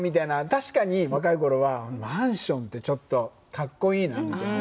確かに若い頃はマンションってちょっと格好いいなみたいな。